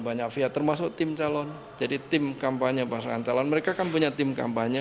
banyak via termasuk tim calon jadi tim kampanye pasangan calon mereka kan punya tim kampanye